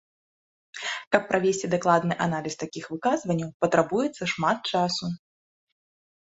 Каб правесці дакладны аналіз такіх выказванняў, патрабуецца шмат часу.